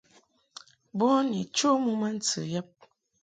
Boni cho mɨ ma ntɨ yab.